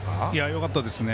よかったですね。